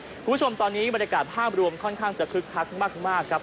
คุณผู้ชมตอนนี้บรรยากาศภาพรวมค่อนข้างจะคึกคักมากครับ